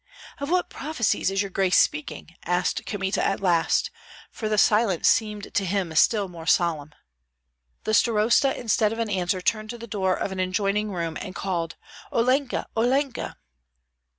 "Of what prophecies is your grace speaking?" asked Kmita, at last; for the silence seemed to him still more solemn. The starosta instead of an answer turned to the door of an adjoining room, and called, "Olenka! Olenka!"